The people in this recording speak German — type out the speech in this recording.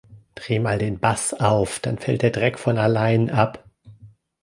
Dreh mal den Bass auf, dann fällt der Dreck von allein ab.